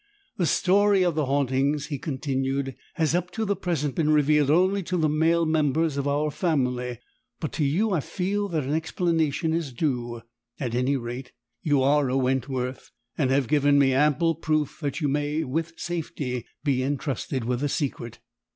The story of the hauntings," he continued, "has up to the present been revealed only to the male members of our family, but to you I feel that an explanation is due. At any rate, you are a Wentworth and have given me ample proof that you may with safety be entrusted with a secret.